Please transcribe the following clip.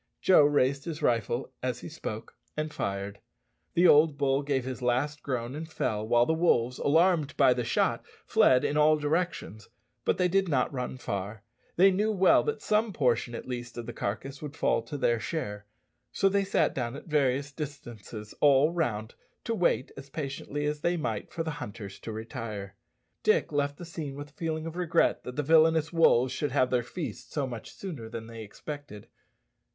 Joe raised his rifle as he spoke, and fired. The old bull gave his last groan and fell, while the wolves, alarmed by the shot, fled in all directions; but they did not run far. They knew well that some portion, at least, of the carcass would fall to their share; so they sat down at various distances all round, to wait as patiently as they might for the hunters to retire. Dick left the scene with a feeling of regret that the villanous wolves should have their feast so much sooner than they expected.